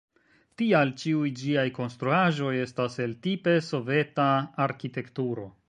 Tial ĉiuj ĝiaj konstruaĵoj estas el tipe soveta arkitekturo.